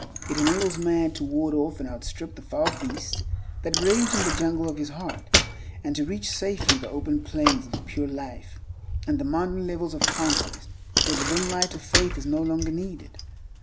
It enables man to ward off and outstrip the foul beasts that rage in the jungle of his heart, and to reach safely the open plains of a pure life and the mountain levels of conquest where the dim light of faith is no longer needed.